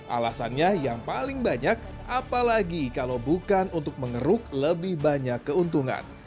alasannya yang paling banyak apalagi kalau bukan untuk mengeruk lebih banyak keuntungan